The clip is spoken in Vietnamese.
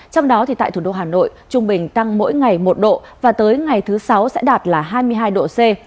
trong đó thì tại thủ đô hà nội trung bình tăng mỗi ngày một độ và tới ngày thứ sáu sẽ đạt là hai mươi hai độ c